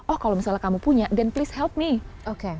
oh kalau misalnya kamu punya then please help me